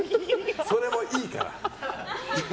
それもういいから。